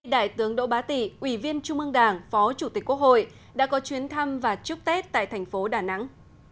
đại tướng đỗ bá tị ủy viên trung ương đảng phó chủ tịch quốc hội đã có chuyến thăm và chúc tết tại thành phố đà nẵng